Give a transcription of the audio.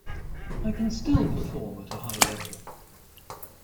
I can still perform at a high level.